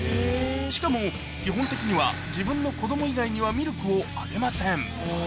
しかも基本的には自分の子ども以外にはミルクをあげません。